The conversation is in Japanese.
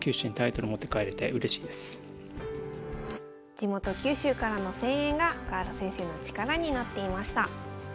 地元九州からの声援が深浦先生の力になっていました。